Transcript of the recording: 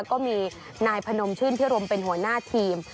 ก็มีนายพนมชื่นพิรมเป็นหัวหน้าทีม